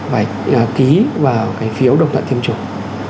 phải ký vào phiếu đồng toàn tiêm chủng